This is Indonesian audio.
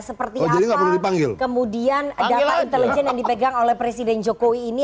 seperti apa kemudian data intelijen yang dipegang oleh presiden jokowi ini